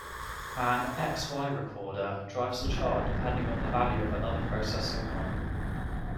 An "X-Y" recorder drives the chart depending on the value of another process signal.